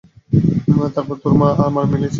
তারপর তোর মা আর আমি মিলে সেটা খাবো।